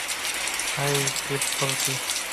High, Tiff বলছি।